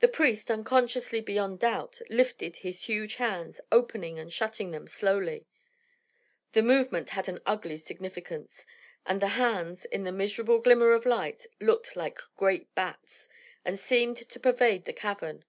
The priest, unconsciously beyond doubt, lifted his huge hands, opening and shutting them slowly. The movement had an ugly significance, and the hands, in the miserable glimmer of light, looked like great bats, and seemed to pervade the cavern.